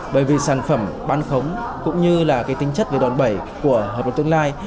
bởi vì sản phẩm bán khống cũng như là cái tinh chất về đòn bẩy của hợp đồng tương lai